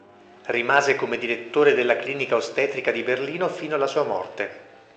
Rimase come direttore della clinica ostetrica di Berlino fino alla sua morte.